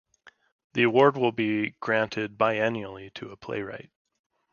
The award will be granted biennially to a playwright.